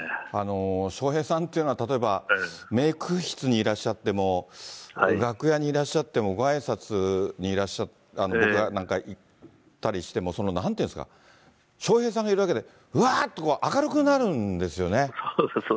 笑瓶さんというのは、例えばメーク室にいらっしゃっても、楽屋にいらっしゃっても、ごあいさつに、僕が行ったりしても、なんと言うんですか、笑瓶さんがいるだけで、うわーと明るくなるそうです。